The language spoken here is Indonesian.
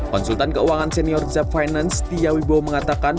konsultan keuangan senior zep finance tiawibo mengatakan